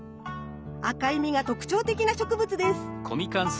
赤い実が特徴的な植物です。